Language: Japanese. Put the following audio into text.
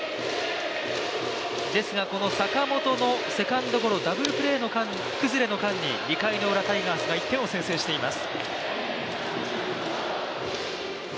ですがこの坂本のセカンドゴロ、ダブルプレーの崩れの間に、２回のウラ、タイガースが１点を先制しています。